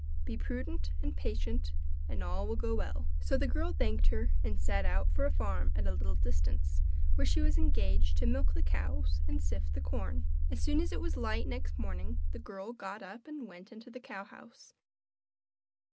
Be prudent and patient and all will go well.' So the girl thanked her, and set out for a farm at a little distance, where she was engaged to milk the cows and sift the corn. As soon as it was light next morning the girl got up and went into the cow house.